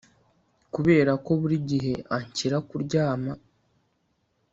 Kuberako buri gihe anshyira kuryama